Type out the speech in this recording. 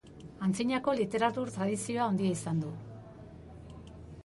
Antzinako literatur tradizioa handia izan du.